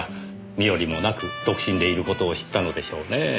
身寄りもなく独身でいる事を知ったのでしょうねえ。